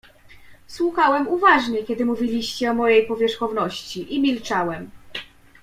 "Słuchałem uważnie, kiedy mówiliście o mojej powierzchowności, i milczałem."